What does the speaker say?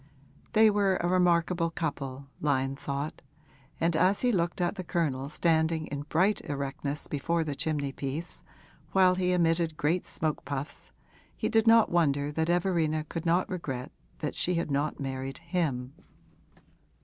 They were a remarkable couple, Lyon thought, and as he looked at the Colonel standing in bright erectness before the chimney piece while he emitted great smoke puffs he did not wonder that Everina could not regret she had not married him.